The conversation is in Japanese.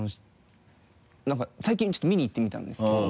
なんか最近ちょっと見に行ってみたんですけど。